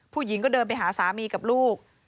ผู้หญิงก็เดินไปหาสามีกับลูก